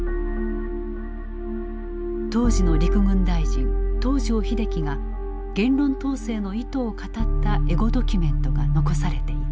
当時の陸軍大臣東條英機が言論統制の意図を語ったエゴドキュメントが残されていた。